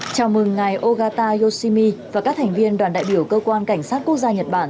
chào mừng ngài ogata yoshimi và các thành viên đoàn đại biểu cơ quan cảnh sát quốc gia nhật bản